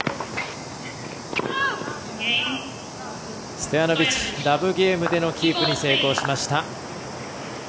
ストヤノビッチラブゲームでのキープに成功しました。